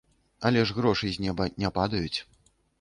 Але ж грошы з неба не падаюць.